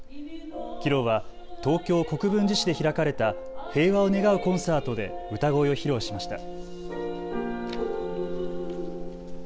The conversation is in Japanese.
きのうは東京国分寺市で開かれた平和を願うコンサートで歌声を披露しました。